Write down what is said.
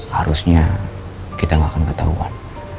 harusnya kita gak akan ketahuan